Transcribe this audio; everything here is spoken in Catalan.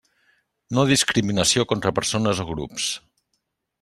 No discriminació contra persones o grups.